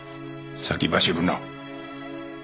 先走るな。